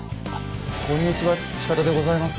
こんにちは近田でございます。